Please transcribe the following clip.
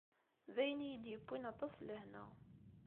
D ayen i yi-d-yewwin aṭas n lehna.